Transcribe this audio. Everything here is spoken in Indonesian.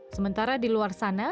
sementara di luar sana